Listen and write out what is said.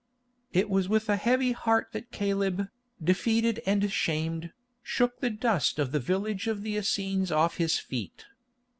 It was with a heavy heart that Caleb, defeated and shamed, shook the dust of the village of the Essenes off his feet.